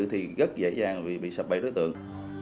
thì rất dễ dàng bị sập bày đối tượng